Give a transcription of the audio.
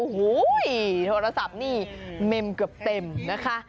ถือทัวร์ศัพท์นี่เมล์เกือบเต็มนะคะ